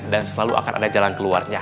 dan selalu ada jalan keluarnya